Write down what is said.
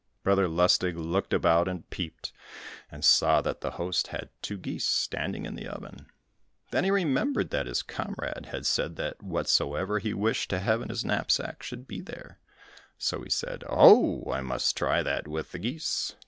Brother Lustig looked about and peeped, and saw that the host had two geese standing in the oven. Then he remembered that his comrade had said that whatsoever he wished to have in his knapsack should be there, so he said, "Oh, ho! I must try that with the geese."